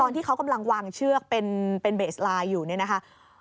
ที่เขากำลังวางเชือกเป็นเบสไลน์อยู่เนี่ยนะคะ